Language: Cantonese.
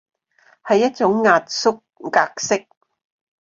係一種壓縮格式